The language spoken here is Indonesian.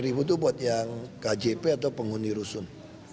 rp tiga puluh sembilan itu buat yang kjp atau penghuni rusun